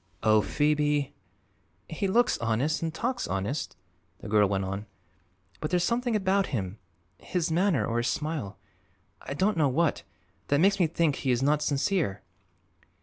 "Oh, Phoebe!" "He looks honest, and talks honest," the girl went on, "but there's something about him his manner or his smile; I don't know what that makes me think he is not sincere."